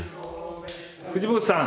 藤本さん！